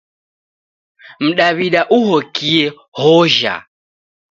Mdaw'ida ughokie hojha.